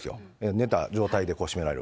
寝た状態で絞められる。